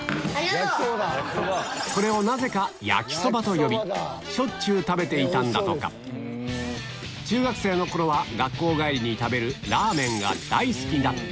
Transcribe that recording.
これをなぜか「やきそば」と呼びしょっちゅう食べていたんだとか中学生の頃は学校帰りに食べるラーメンが大好きだったが